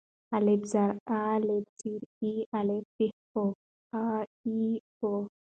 الپ زر آ، الپ زر اي، الپ پېښ أو آآ اي او.